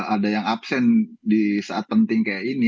ada yang absen di saat penting kayak ini